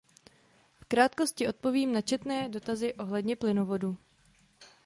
V krátkosti odpovím na četné dotazy ohledně plynovodu.